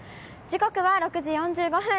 時刻は６時４５分。